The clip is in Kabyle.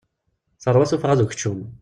Terwa tuffɣa d ukeččum.